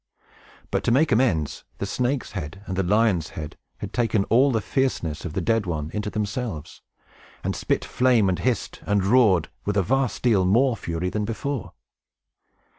But, to make amends, the snake's head and the lion's head had taken all the fierceness of the dead one into themselves, and spit flame, and hissed, and roared, with a vast deal more fury than before.